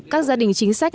các gia đình chính sách